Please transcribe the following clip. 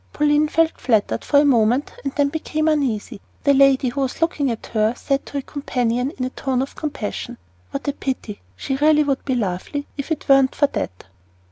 Pauline felt flattered for a moment, and then became uneasy. The lady who was looking at her said to a companion, in a tone of compassion: "What a pity! She really would be lovely if it weren't for THAT!"